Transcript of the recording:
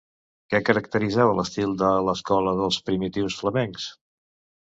Què caracteritzava l'estil de l'Escola dels primitius flamencs?